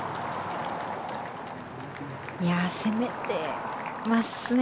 攻めてますね。